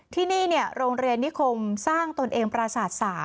ที่นี่โรงเรียนนิคมสร้างตนเองปราศาสตร์๓